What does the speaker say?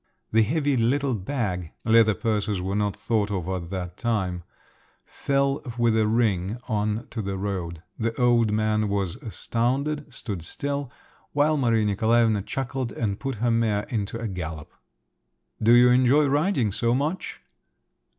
The heavy little bag (leather purses were not thought of at that time) fell with a ring on to the road. The old man was astounded, stood still, while Maria Nikolaevna chuckled, and put her mare into a gallop. "Do you enjoy riding so much?"